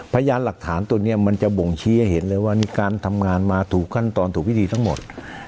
พยายามหลักฐานมาตัวเนี่ยโบ่งชี้ทำงานถูกขั้นตอนตัวปฏิที่ทั้งหมด